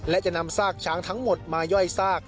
และจะนำซากช้างทั้งหมดมาย่อยซาก